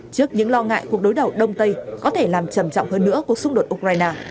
trước những lo ngại cuộc đối đầu đông tây có thể làm trầm trọng hơn nữa cuộc xung đột ukraine